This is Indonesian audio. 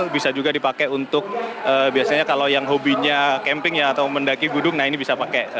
bisa juga dipakai untuk biasanya kalau yang hobinya camping ya atau mendaki gudung nah ini bisa pakai